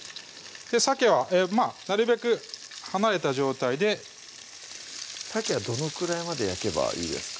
さけはなるべく離れた状態でさけはどのくらいまで焼けばいいですか？